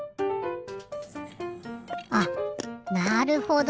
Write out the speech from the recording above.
あなるほど。